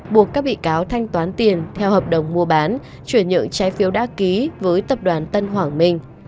buộc các bị cáo thanh toán tiền theo hợp đồng mua bán chuyển nhượng trái phiếu đã ký với tập đoàn tân hoàng minh